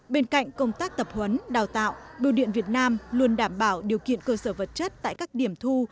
bên cạnh công tác tập huấn đào tạo bưu điện việt nam luôn đảm bảo điều kiện cơ sở vật chất tại các điểm thu